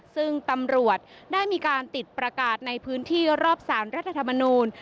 ซึ่งตำรวจได้มีการติดประกาศในพื้นที่รอบสารรัฐธรรมนูล